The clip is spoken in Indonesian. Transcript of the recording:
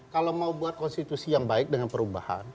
kalau mau buat konstitusi yang baik dengan perubahan